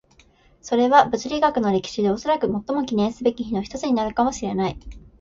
それは物理学の歴史でおそらく最も記念すべき日の一つになるかもしれない。